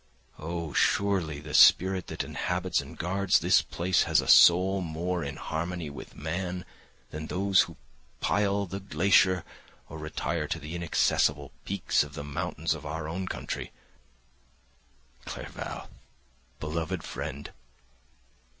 Oh, surely the spirit that inhabits and guards this place has a soul more in harmony with man than those who pile the glacier or retire to the inaccessible peaks of the mountains of our own country." Clerval! Beloved friend!